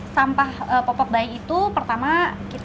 sampah popok bayi itu pertama kita akan